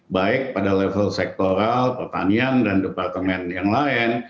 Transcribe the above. baik pada level sektoral pertanian dan departemen yang lain